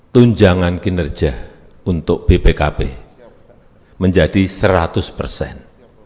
tunjangan kinerja untuk bpkp menjadi seratus persen